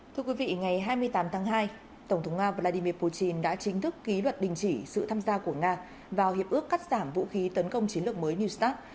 thưa quý vị ngày hai mươi tám tháng hai tổng thống nga vladimir putin đã chính thức ký luật đình chỉ sự tham gia của nga vào hiệp ước cắt giảm vũ khí tấn công chiến lược mới new start